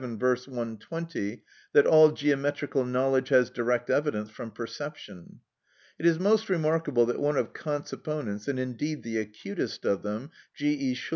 120, that all geometrical knowledge has direct evidence from perception. It is most remarkable that one of Kant's opponents, and indeed the acutest of them, G. E.